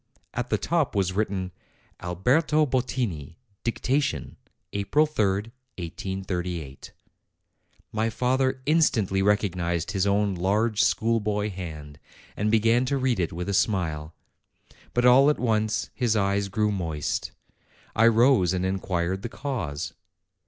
At the top was written, Alberto Bottini, Dictation, April 3, 1838. My father instantly recognized his own large, schoolboy hand, and began to read it with a smile. But all at once his eyes grew moist. I rose and inquired the cause.